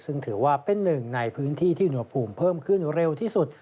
ซึ่งถือว่าเป็นหนึ่งในพื้นที่ที่อุณหภูมิเพิ่มขึ้นเร็วที่สุด